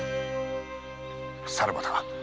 さらばだ。